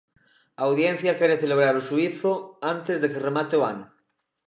A Audiencia quere celebrar o xuízo antes de que remate o ano.